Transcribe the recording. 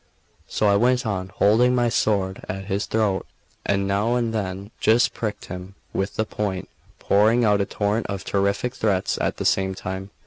So I went on holding my sword at his throat, and now and then just pricked him with the point, pouring out a torrent of terrific threats at the same time.